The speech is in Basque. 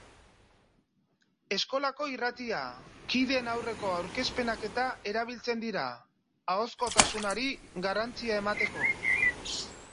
Eskolako irratia, kideen aurreko aurkezpenak-eta erabiltzen dira, ahozkotasunari garrantzia emateko.